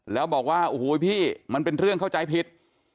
แล้วบอกว่าโอ้โหพี่มันเป็นเรื่องเข้าใจผิด